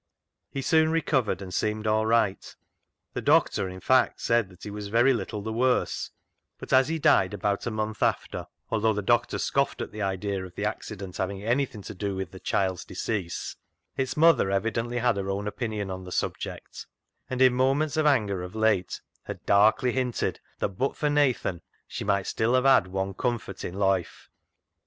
He soon re covered, and seemed all right ; the doctor, TATTY ENTWISTLE'S RETURN in in fact, said that he was very little the worse, but as he died about a month after, although the doctor scoffed at the idea of the accident having anything to do with the child's decease, its mother evidently had her own opinion on the subject, and in moments of anger of late had darkly hinted that but for Nathan she might still have had " one comfort i' loife."